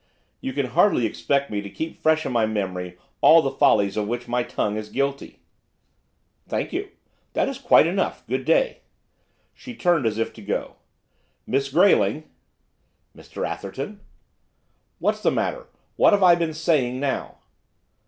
'You can hardly expect me to keep fresh in my memory all the follies of which my tongue is guilty.' 'Thank you. That is quite enough. Good day.' She turned as if to go. 'Miss Grayling!' 'Mr Atherton?' 'What's the matter? What have I been saying now?